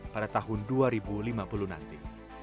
pada tahun dua ribu lima puluh nanti